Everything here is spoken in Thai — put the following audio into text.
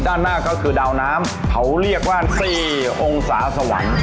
ด้านหน้าก็คือดาวน้ำเขาเรียกว่า๔องศาสวรรค์